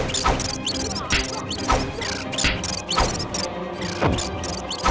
kembali ke ligia